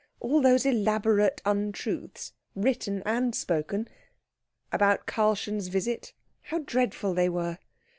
All those elaborate untruths, written and spoken, about Karlchen's visit, how dreadful they were.